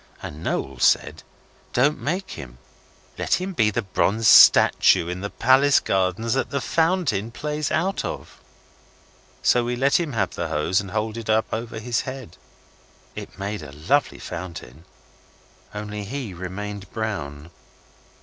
And Noel said 'Don't make him. Let him be the bronze statue in the palace gardens that the fountain plays out of.' So we let him have the hose and hold it up over his head. It made a lovely fountain, only he remained brown.